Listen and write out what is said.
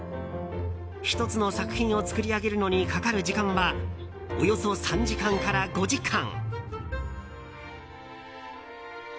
１つの作品を作り上げるのにかかる時間はおよそ３時間から５時間。